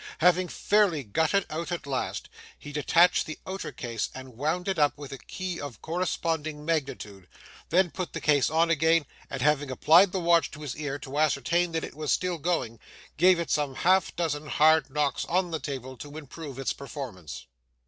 Having fairly got it out at last, he detached the outer case and wound it up with a key of corresponding magnitude; then put the case on again, and having applied the watch to his ear to ascertain that it was still going, gave it some half dozen hard knocks on the table to improve its performance.